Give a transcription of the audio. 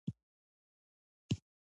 که واده مو نه وي ماشومان هم نشته.